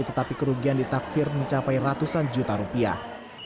tetapi kerugian ditaksir mencapai ratusan juta rupiah